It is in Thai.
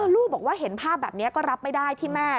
ลูกบอกว่าเห็นภาพแบบนี้ก็รับไม่ได้ที่แม่